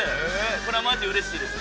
これはマジ嬉しいです。